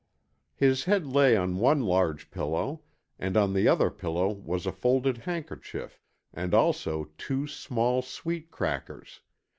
His head lay on one large pillow, and on the other pillow was a folded handkerchief and also two small sweet crackers.